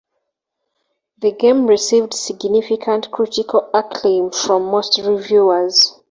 The game received significant critical acclaim from most reviewers.